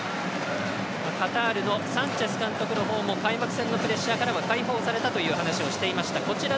カタールのサンチェス監督のほうも開幕戦のプレッシャーからは解放されたという話をしていました。